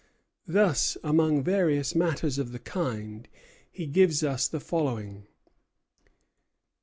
Thus, among various matters of the kind, he gives us the following.